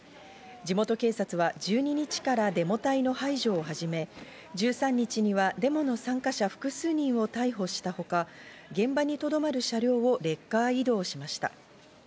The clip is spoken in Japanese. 地元警察は１２日からデモ隊の排除をはじめ、１３日にはデモの参加者、複数人を逮捕したほか、現場にとどまる車両をレッカー移動しました。